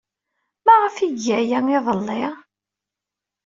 Maɣef ay iga aya iḍelli?